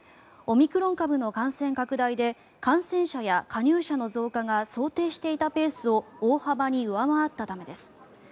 オミクロン株の感染拡大で感染者や加入者の増加が想定していたペースを大幅に上回ったためです。